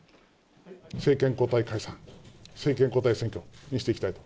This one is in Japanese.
政権交代解散、政権交代選挙にしていきたいと。